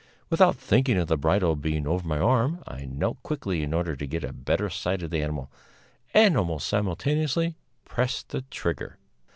Without thinking of the bridle being over my arm, I knelt quickly in order to get a better sight of the animal, and almost simultaneously pressed the trigger.